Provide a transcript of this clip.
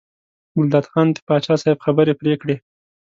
ګلداد خان د پاچا صاحب خبرې پرې کړې.